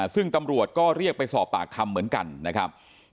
ซึ่งตำรวจก็เรียกไปสอบปากคำเหมือนกันนะครับ